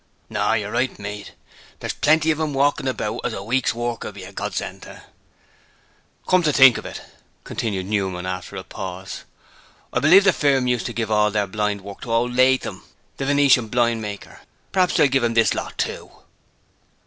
'No, you're right, mate. There's plenty of 'em walkin' about as a week's work would be a Gordsend to.' 'Come to think of it,' continued Newman after a pause, 'I believe the firm used to give all their blind work to old Latham, the venetian blind maker. Prap's they'll give 'im this lot to do.'